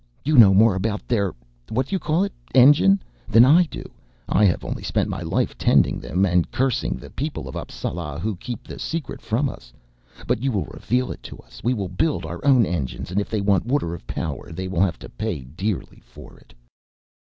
"You know more about their ... what do you call it, engine ... than I do. I have only spent my life tending them and cursing the people of Appsala who keep the secret from us. But you will reveal it to us! We will build our own engines and if they want water of power they will have to pay dearly for it."